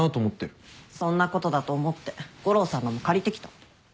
そんなことだと思って悟郎さんのも借りてきた。